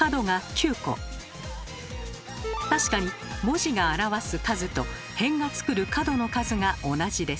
確かに文字が表す数と辺が作る角の数が同じです。